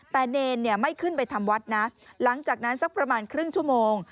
แต่เนรไม่ขึ้นไปทำวัดนะหลังจากนั้นสักประมาณครึ่งชั่วโมง